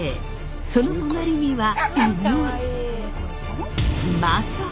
その隣には犬！